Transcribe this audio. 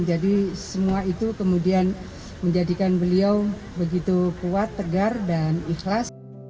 jadi semua itu kemudian menjadikan beliau begitu kuat tegar dan ikhlas